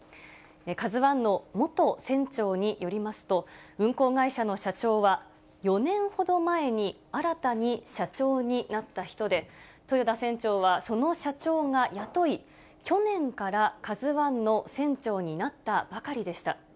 カズワンの元船長によりますと、運航会社の社長は、４年ほど前に新たに社長になった人で、豊田船長はその社長が雇い、去年からカズワンの船長になったばかりでした。